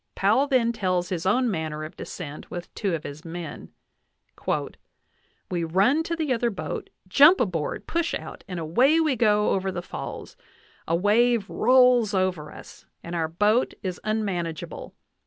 Powell then tells his own manner of descent with two of his men : "We run to the other boat, jump aboard, push out, and away we go over the falls. A wave rolls over us, and our boat is unman ageable.